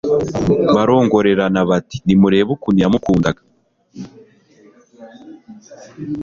barongorerana bati: "nimurebe ukuntu yamukundaga."